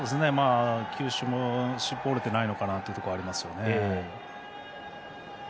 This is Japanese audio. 球種も絞れてないのかなという感じはありますね。